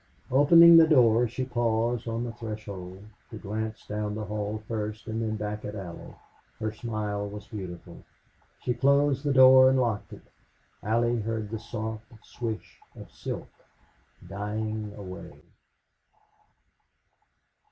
Opening the door, she paused on the threshold, to glance down the hall first, and then back to Allie. Her smile was beautiful. She closed the door and locked it. Allie heard the soft swish of silk dying away.